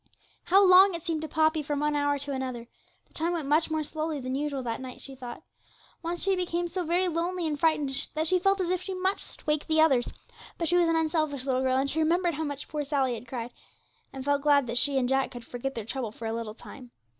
How long it seemed to Poppy from one hour to another; the time went much more slowly than usual that night, she thought. Once she became so very lonely and frightened that she felt as if she must wake the others; but she was an unselfish little girl, and she remembered how much poor Sally had cried, and felt glad that she and Jack could forget their trouble for a little time.